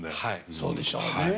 そうでしょうね。